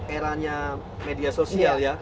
eranya media sosial ya